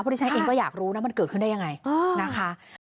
ที่ฉันเองก็อยากรู้นะมันเกิดขึ้นได้ยังไงนะคะ